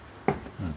うん。